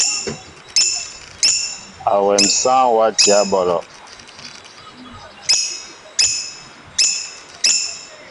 Awém sááŋ watiyă ɓɔlɔ.